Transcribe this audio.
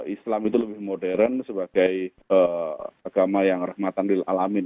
islam itu lebih modern sebagai agama yang rahmatan lil'alamin